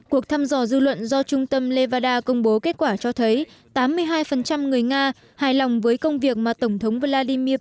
cuộc thăm dò dư luận do trung tâm levada công bố kết quả cho thấy tám mươi hai người nga hài lòng với công việc mà tổng thống vladimir putin giải quyết